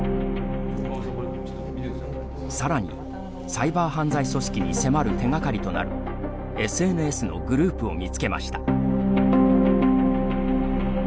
さらに、サイバー犯罪組織に迫る手がかりとなるＳＮＳのグループを見つけました。